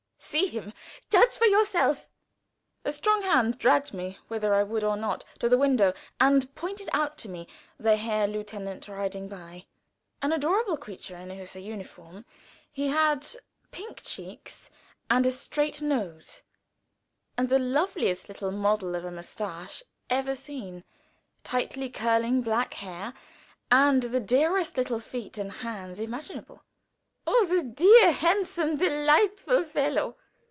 See him! Judge for yourself!" A strong hand dragged me, whether I would or not, to the window, and pointed out to me the Herr Lieutenant riding by. An adorable creature in a Hussar uniform; he had pink cheeks and a straight nose, and the loveliest little model of a mustache ever seen; tightly curling black hair, and the dearest little feet and hands imaginable. "Oh, the dear, handsome, delightful follow!"